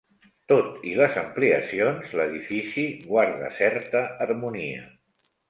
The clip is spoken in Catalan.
Tot i les ampliacions l'edifici guarda certa harmonia.